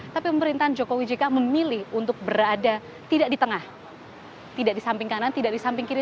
tapi pemerintahan jokowi jk memilih untuk berada tidak di tengah tidak di samping kanan tidak di samping kiri